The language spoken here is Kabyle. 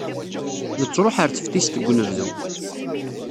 Nettruḥ ɣer teftist deg unebdu.